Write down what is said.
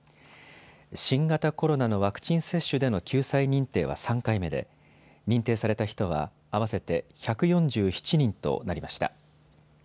新型コロナのワクチン接種での救済認定は３回目で認定された人は合わせて１４７人となりました。